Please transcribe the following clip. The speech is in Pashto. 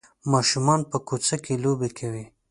ماشومان په کوڅه کې لوبې کوي.